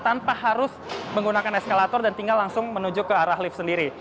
tanpa harus menggunakan eskalator dan tinggal langsung menuju ke arah lift sendiri